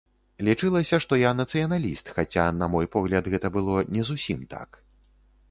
Лічылася, што я нацыяналіст, хаця, на мой погляд, гэта было не зусім так.